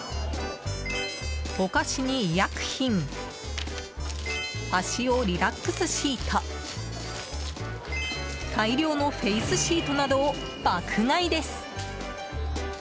お菓子に医薬品脚用リラックスシート大量のフェイスシートなどを爆買いです。